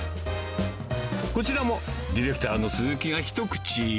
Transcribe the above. こちらもディレクターのすずきが一口。